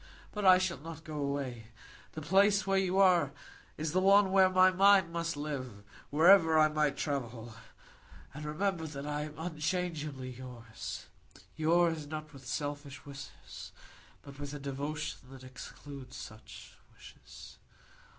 But I shall not go away. The place where you are is the one where my mind must live, wherever I might travel. And remember that I am unchangeably yours,—yours not with selfish wishes, but with a devotion that excludes such wishes.